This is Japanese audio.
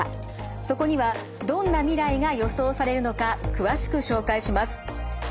そこにはどんな未来が予想されるのか詳しく紹介します。